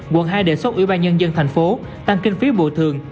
quận hai đề xuất ủy ban nhân dân tp hcm tăng kinh phí bộ thường